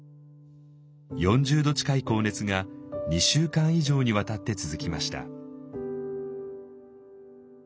４０度近い高熱が２週間以上にわたって続きました。